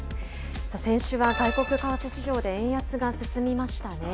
先週は外国為替市場で円安が進みましたね。